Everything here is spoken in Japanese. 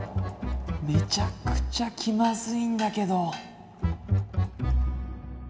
めちゃくちゃ気まずいんだけど。